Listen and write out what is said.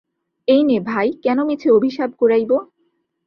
এই নে ভাই, কেন মিছে অভিশাপ কুড়াইব?